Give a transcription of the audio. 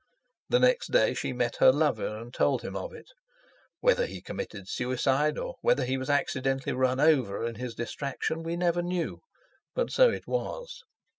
The next day she met her lover and told him of it. Whether he committed suicide or whether he was accidentally run over in his distraction, we never knew; but so it was.